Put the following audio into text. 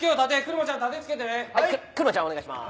車ちゃんお願いします。